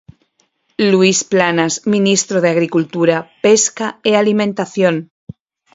Luís Planas, ministro de Agricultura, Pesca e Alimentación: